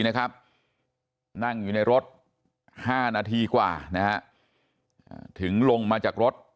นั่งอยู่ในรถ๕นาทีกว่าถึงลงมาจากรถ